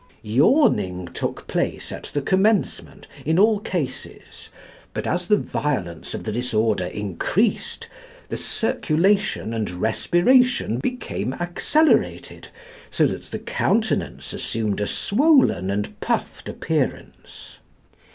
Yawning took place at the commencement in all cases, but as the violence of the disorder increased the circulation and respiration became accelerated, so that the countenance assumed a swollen and puffed appearance.